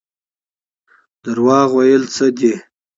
دروغ ویل څه دي؟